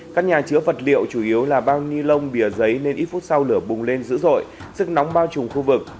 các nhà chữa vật liệu chủ yếu là bao ni lông bìa giấy nên ít phút sau lửa bùng lên dữ dội sức nóng bao trùm khu vực